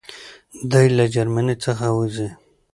دی له جرمني څخه وځي.